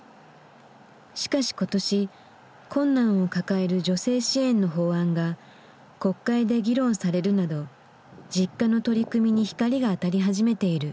しかし今年困難を抱える女性支援の法案が国会で議論されるなどＪｉｋｋａの取り組みに光が当たり始めている。